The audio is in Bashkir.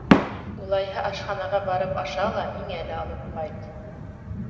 — Улайһа, ашханаға барып аша ла миңә лә алып ҡайт.